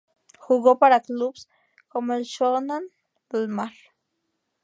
Jugó para clubes como el Shonan Bellmare.